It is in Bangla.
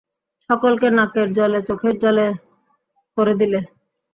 সকলকে নাকের জলে চোখের জলে করে দিলে।